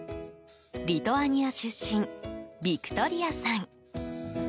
リトアニア出身ヴィクトリアさん。